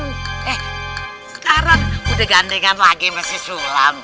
eh sekarang udah gandingan lagi sama si sulam